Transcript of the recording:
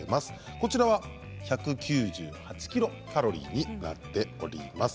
こちらは１９８ｋｃａｌになっております。